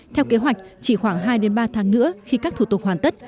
theo kế hoạch chỉ khoảng hai ba tháng nữa khi các thủ tục hoàn tất